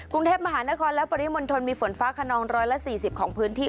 กรุงเทพมหานครและปริมณฑลมีฝนฟ้าขนอง๑๔๐ของพื้นที่